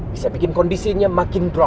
bisa bikin kondisinya makin drop